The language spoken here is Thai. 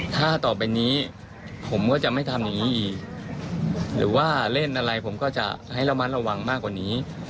ถ้าต่อไปนี้ผมก็จะไม่ทำอย่างนี้อีกหรือว่าเล่นอะไรผมก็จะให้ระมัดระวังมากกว่านี้